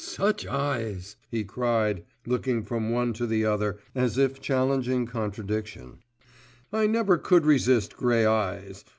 "Such eyes," he cried, looking from one to the other as if challenging contradiction, "I never could resist grey eyes.